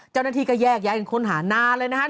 เจ้าหน้าที่ก็แยกย้ายกันค้นหานานเลยนะครับ